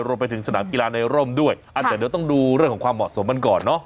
รวมไปถึงสนามกีฬาในร่มด้วยแต่เดี๋ยวต้องดูเรื่องของความเหมาะสมกันก่อนเนอะ